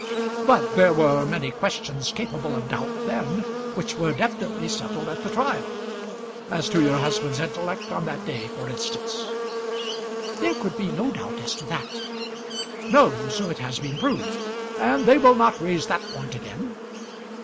"But there were many questions capable of doubt then, which were definitely settled at the trial. As to your husband's intellect on that day, for instance." "There could be no doubt as to that." "No; so it has been proved; and they will not raise that point again.